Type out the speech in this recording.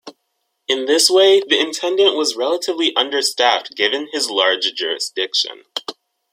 In this way, the Intendant was relatively understaffed given his large jurisdiction.